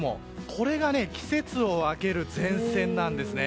これが季節を分ける前線なんですね。